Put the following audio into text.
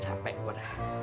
sampai gua dah